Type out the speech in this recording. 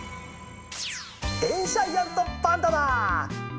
デンシャイアントパンダだ！